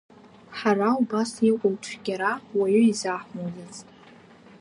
Ҳара убас иҟоу цәгьара уаҩы изаҳмуӡацт.